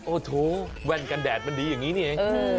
โอ้โหแว่นกันแดดมันดีอย่างนี้นี่เอง